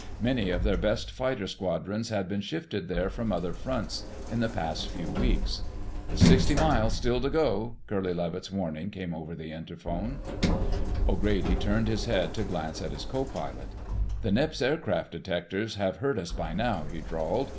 Many of their best fighter squadrons had been shifted there from other fronts, in the past few weeks. "Sixty miles still to go!" Curly Levitt's warning came over the interphone. O'Grady turned his head to glance at his co pilot. "The Nips' aircraft detectors have heard us by now," he drawled.